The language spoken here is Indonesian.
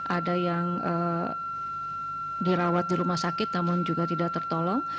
ada yang dirawat di rumah sakit namun juga tidak tertolong